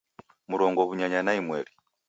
Mrongo w'unyanya na imweri